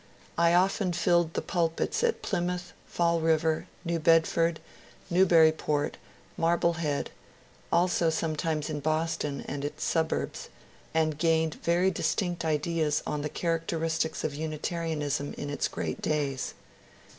I often filled the pulpits at Plymouth, Fall River, New Bedford, Newburyport, Marble head, also sometimes in Boston and its suburbs, and gained very distinct ideas on the characteristics of Unitarianism in its great days.